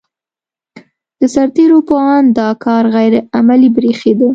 د سرتېرو په اند دا کار غیر عملي برېښېده.